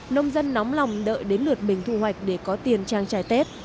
nông dân nóng lòng đợi đến lượt mình thu hoạch để có tiền trang trải tết